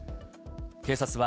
警察は、